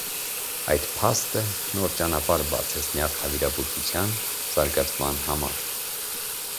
Այդ փաստը նոր ճանապարհ բացեց նյարդավիրավուժության զարգացման համար։